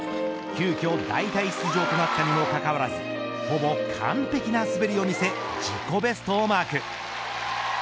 急きょ代替出場となったにもかかわらずほぼ完璧な滑りを見せ自己ベストをマーク。